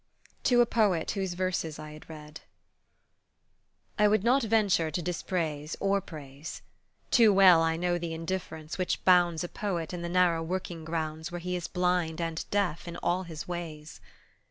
TO A POET WHOSE VERSES I HAD READ I WOULD not venture to dispraise or praise. Too well I know the indifference which bounds A poet in the narrow working grounds Where he is blind and deaf in all his ways.